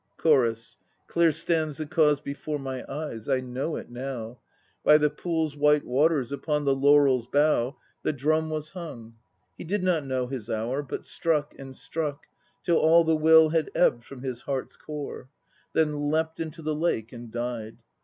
CHORUS. Clear stands the cause before my eyes; I know it now. By the pool's white waters, upon the laurel's bough The drum was hung. He did not know his hour, but struck and struck Till all the will had ebbed from his heart's core; Then leapt into the lake and died.